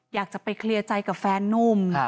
อยากจะไปเคลียร์ใจกับแฟนนุ่ม